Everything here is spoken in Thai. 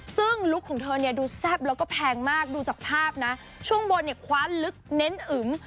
ซึ่งลุคของเธอเนี่ยดูแซ่บแล้วก็แพงมากดูจากภาพนะช่วงบนเนี่ยคว้าลึกเน้นอึม